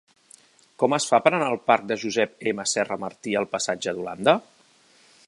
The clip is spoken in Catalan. Com es fa per anar del parc de Josep M. Serra Martí al passatge d'Holanda?